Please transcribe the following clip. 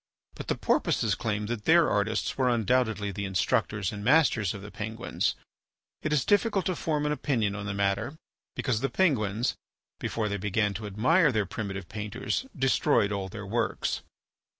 But the Porpoises claim that their artists were undoubtedly the instructors and masters of the Penguins. It is difficult to form an opinion on the matter, because the Penguins, before they began to admire their primitive painters, destroyed all their works.